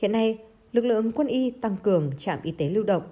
hiện nay lực lượng quân y tăng cường trạm y tế lưu động